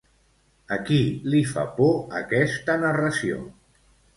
A qui li fa por aquesta narració?